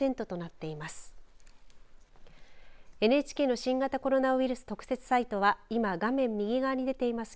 ＮＨＫの新型コロナウイルス特設サイトは今、画面右側に出ています